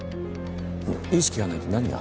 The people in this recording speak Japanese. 意識がないって何が？